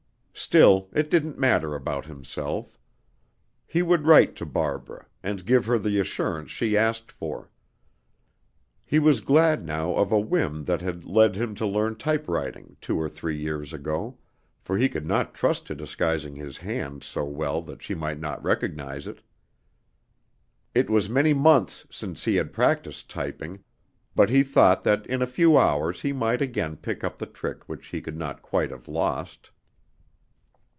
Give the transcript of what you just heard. Still, it didn't matter about himself. He would write to Barbara, and give her the assurance she asked for. He was glad now of a whim that had led him to learn typewriting two or three years ago, for he could not trust to disguising his hand so well that she might not recognize it. It was many months since he had practiced typing, but he thought that in a few hours he might again pick up the trick which he could not quite have lost.